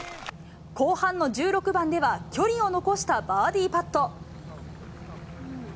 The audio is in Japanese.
後半の１６番では距離を残したバーディーパット。